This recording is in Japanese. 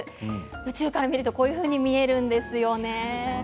宇宙から見るとこういうふうに見えるんですよね。